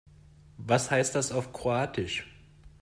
Was heißt das auf Kroatisch?